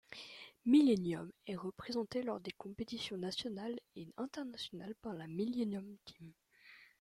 Millenium est représenté lors des compétitions nationales et internationales par la Millenium Team.